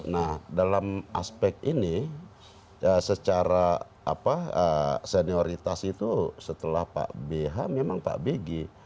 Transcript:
nah dalam aspek ini secara senioritas itu setelah pak bh memang pak bg